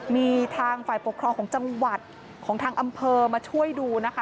มีทางฝ่ายปกครองของจังหวัดของทางอำเภอมาช่วยดูนะคะ